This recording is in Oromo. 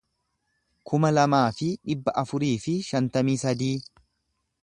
kuma lamaa fi dhibba afurii fi shantamii sadii